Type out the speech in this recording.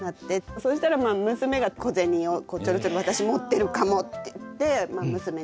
そうしたら娘が小銭をこうちょろちょろ「私持ってるかも」って言って娘に払っていただいたり。